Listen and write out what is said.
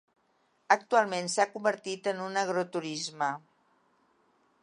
Actualment s'ha convertit en un agroturisme.